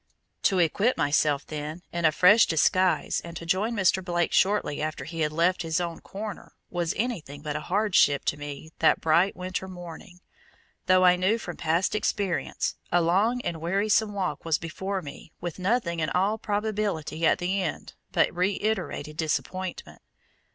To equip myself, then, in a fresh disguise and to join Mr. Blake shortly after he had left his own corner, was anything but a hardship to me that bright winter morning, though I knew from past experience, a long and wearisome walk was before me with nothing in all probability at the end but reiterated disappointment.